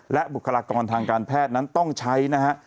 และบุคลากรทางการแพทย์นั้นต้องใช้นะฮะ